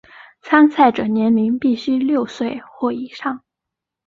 参赛者年龄必须六岁或以上。